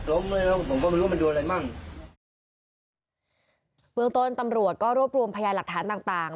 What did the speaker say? ลุกมึงก็มึงรู้มันโดยอะไรมั่งเวลต้นตำรวจก็รวบรูมพยายามหลักฐานต่าง